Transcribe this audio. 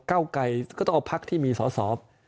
เก้าไกรก็ต้องเอาพักที่มีสอสอ